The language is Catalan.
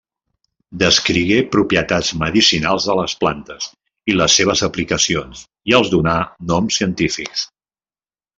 Descrigué propietats medicinals de les plantes i les seves aplicacions, i els donà noms científics.